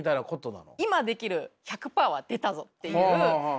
今できる１００％は出たぞっていう。